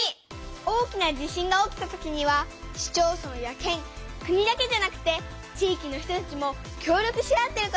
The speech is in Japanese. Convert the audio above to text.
大きな地震が起きたときには市町村や県国だけじゃなくて地域の人たちも協力し合ってることがわかったよ！